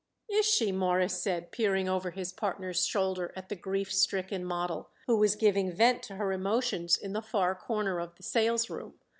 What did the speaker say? "Is she?" Morris said, peering over his partner's shoulder at the grief stricken model, who was giving vent to her emotions in the far corner of the salesroom.